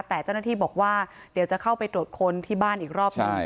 แต่เจ้าหน้าที่บอกว่าเดี๋ยวจะเข้าไปตรวจค้นที่บ้านอีกรอบหนึ่ง